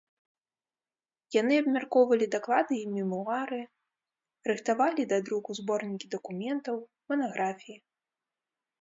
Яны абмяркоўвалі даклады і мемуары, рыхтавалі да друку зборнікі дакументаў, манаграфіі.